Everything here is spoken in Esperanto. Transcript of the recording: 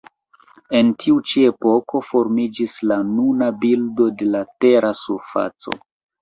En tiu ĉi epoko formiĝis la nuna bildo de la Tera surfaco.